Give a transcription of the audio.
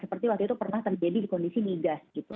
seperti waktu itu pernah terjadi di kondisi migas gitu